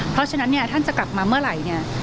เพราะฉะนั้นเนี่ยท่านจะกลับมาเมื่อไหร่เนี่ย